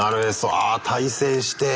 あ対戦して。